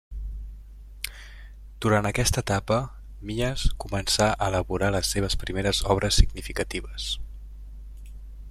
Durant aquesta etapa, Mies començà a elaborar les seves primeres obres significatives.